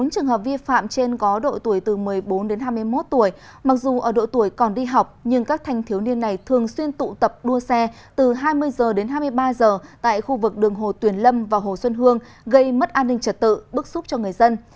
bốn trường hợp vi phạm trên có độ tuổi từ một mươi bốn đến hai mươi một tuổi mặc dù ở độ tuổi còn đi học nhưng các thanh thiếu niên này thường xuyên tụ tập đua xe từ hai mươi h đến hai mươi ba h tại khu vực đường hồ tuyền lâm và hồ xuân hương gây mất an ninh trật tự bức xúc cho người dân